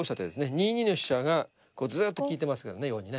２二の飛車がずっと利いてますからね横にね。